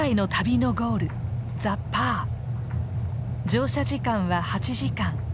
乗車時間は８時間。